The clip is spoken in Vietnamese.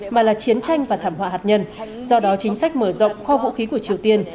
mà là chiến tranh và thảm họa hạt nhân do đó chính sách mở rộng kho vũ khí của triều tiên